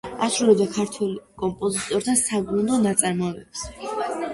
ასრულებდა ქართველ კომპოზიტორთა საგუნდო ნაწარმოებებს.